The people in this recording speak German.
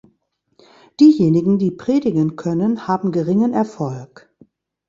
Diejenigen, die predigen können, haben geringen Erfolg.